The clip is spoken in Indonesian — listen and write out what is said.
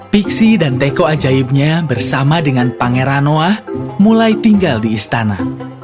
pixi dan teko ajaibnya bersama dengan pangeran noah mulai tinggal di istana